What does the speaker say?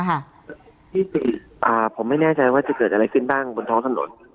ที่ผมไม่แน่ใจว่าจะเกิดอะไรขึ้นบ้างบนท้องถนน